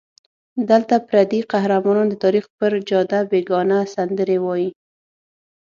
دلته پردي قهرمانان د تاریخ پر جاده بېګانه سندرې وایي.